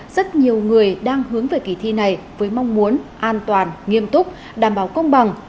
rất nhiều người đang hướng về kỳ thi này với mong muốn an toàn nghiêm túc đảm bảo công bằng